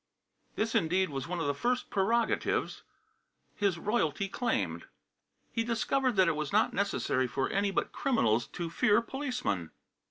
This, indeed, was one of the first prerogatives his royalty claimed. He discovered that it was not necessary for any but criminals to fear policemen.